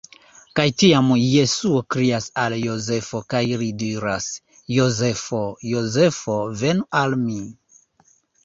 Kaj tiam Jesuo krias al Jozefo, kaj li diras: "Jozefo! Jozefo, venu al mi!